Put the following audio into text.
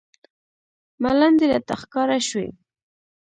ملنډې راته ښکاره شوې.